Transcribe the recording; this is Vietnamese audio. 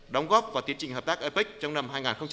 đóng góp vào tiến trình hợp tác apec trong năm hai nghìn một mươi bảy